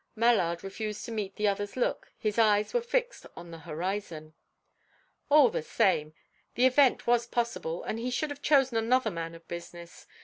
Mallard refused to meet the other's look; his eyes were fixed on the horizon. "All the same, the event was possible, and he should have chosen another man of business.